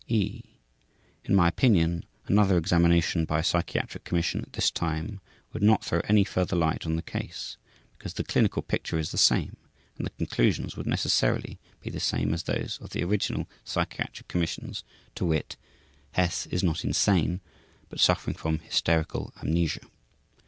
e. In my opinion, another examination by a psychiatric commission at this time would not throw any further light on the case, because the clinical picture is the same and the conclusions would necessarily be the same as those of the original psychiatric commissions, to wit: Hess is not insane but suffering from hysterical amnesia.